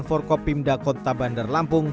forkopimda kota bandar lampung